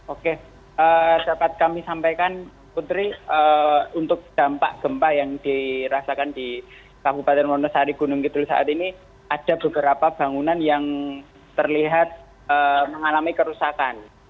oke dapat kami sampaikan putri untuk dampak gempa yang dirasakan di kabupaten wonosari gunung kidul saat ini ada beberapa bangunan yang terlihat mengalami kerusakan